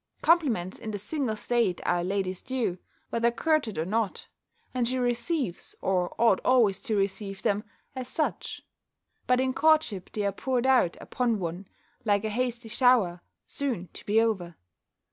Compliments in the single state are a lady's due, whether courted or not; and she receives, or ought always to receive them, as such; but in courtship they are poured out upon one, like a hasty shower, soon to be over.